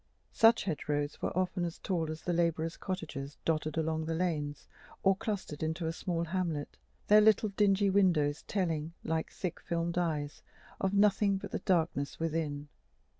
Such hedgerows were often as tall as the laborers' cottages dotted along the lanes, or clustered into a small hamlet, their little dingy windows telling, like thick filmed eyes, of nothing but the darkness within.